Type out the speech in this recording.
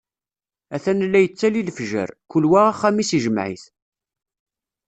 Atan la yettali lefjer, kul wa axxam-is ijmeɛ-it.